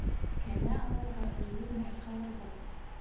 Кәмә алырға өлгөрмәй ҡалырбыҙ...